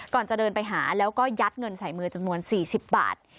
ก่อนจะเดินไปหาแล้วก็ยัดเงินใส่มือจำนวน๔๐บาท